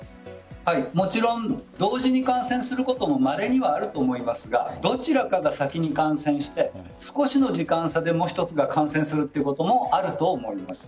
もちろん同時に感染することもまれにはあると思いますがどちらかが先に感染して少しの時間差でもう一つが感染するということもあると思います。